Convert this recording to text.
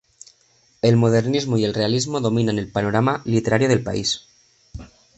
El modernismo y el realismo dominan el panorama literario del país.